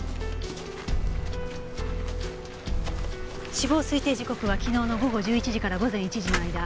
死亡推定時刻は昨日の午後１１時から午前１時の間。